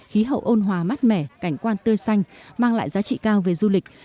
khí hậu ôn hòa mát mẻ cảnh quan tươi xanh mang lại giá trị cao về du lịch